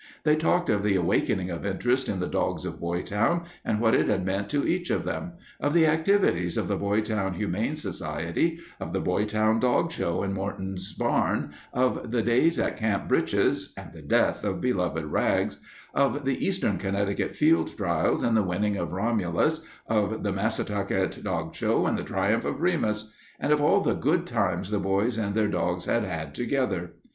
They talked of the awakening of interest in the dogs of Boytown and what it had meant to each of them, of the activities of the Boytown Humane Society, of the Boytown Dog Show in Morton's barn, of the days at Camp Britches and the death of beloved Rags, of the Eastern Connecticut field trials and the winning of Romulus, of the Massatucket Dog Show and the triumph of Remus, and of all the good times the boys and their dogs had had together.